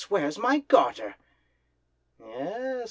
where's my garter?" Yes!